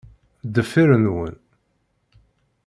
Deffir nwen.